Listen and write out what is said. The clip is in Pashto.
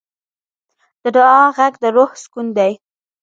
د دعا غږ د روح سکون دی.